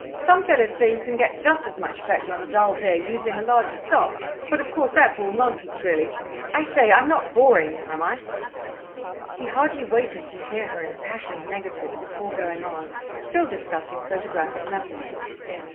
Some fellows say you can get just as much effect on a dull day, using a larger stop, but, of course, that's all nonsense really. I say, I'm not boring you, am I?" He hardly waited to hear her impassioned negative before going on, still discussing photographic methods.